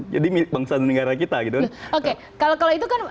jadi milik bangsa dan negara kita gitu kan